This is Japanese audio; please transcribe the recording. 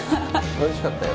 おいしかったよ。